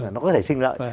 nó có thể sinh lợi